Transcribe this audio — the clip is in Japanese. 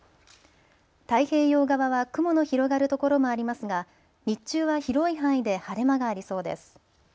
太平洋側は雲の広がる所もありますが、日中は広い範囲で晴れ間がありそうです。